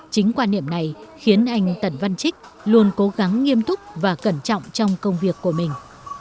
chính quan niệm này khiến anh tẩn văn trích luôn cố gắng nghiêm túc và cẩn trọng trong công việc của mình